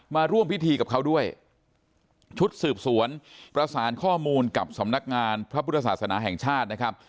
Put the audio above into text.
มาร่วมพิธีกับเขาด้วยชุดสืบสวนประสานข้อมูลกับสำนักงานพระพุทธศาสนาแห่งชาตินะครับ